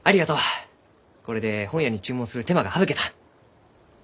これで本屋に注文する手間が省けた。